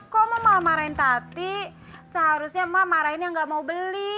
kok mau malah marahin tati seharusnya mak marahin yang gak mau beli